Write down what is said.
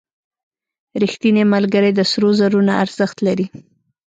• رښتینی ملګری د سرو زرو نه ارزښت لري.